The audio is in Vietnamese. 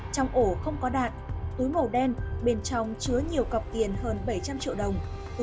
trong ổ không có đạn túi màu đen bên trong chứa nhiều cọc tiền hơn bảy trăm linh triệu đồng